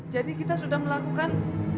jadi kita sudah melakukan